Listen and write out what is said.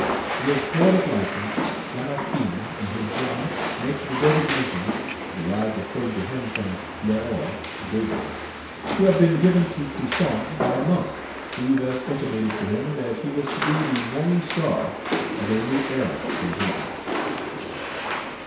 With poetic license, Lamartine, in his drama, makes the designation derived, according to him, from L'Aurore, Day break to have been given to Toussaint by a monk, who thus intimated to him that he was to be the morning star of a new era in Hayti.